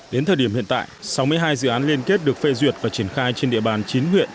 đến thời điểm hiện tại sáu mươi hai dự án liên kết được phê duyệt và triển khai trên địa bàn chín huyện